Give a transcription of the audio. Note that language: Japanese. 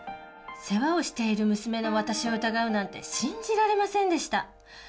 世話をしている娘の私を疑うなんて信じられませんでした。